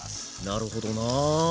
なるほどな。